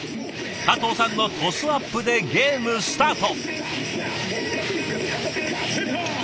加藤さんのトスアップでゲームスタート。